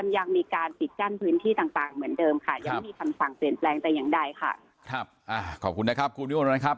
ยังไม่มีคำสั่งเปลี่ยนแปลงแต่ยังได้ค่ะครับอ่าขอบคุณนะครับครูนิโมนนะครับ